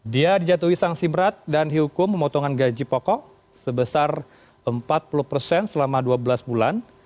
dia dijatuhi sanksi berat dan dihukum pemotongan gaji pokok sebesar empat puluh persen selama dua belas bulan